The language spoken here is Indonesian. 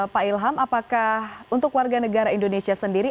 pak ilham apakah untuk warga negara indonesia sendiri